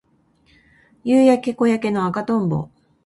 夕焼け小焼けの赤とんぼ